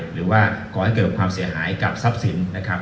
หรือว่าก่อให้เกิดความเสียหายกับทรัพย์สินนะครับ